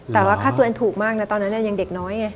แต่ว่าค่าตัวเองถูกมากนะตอนนั้นยังเด็กน้อยไง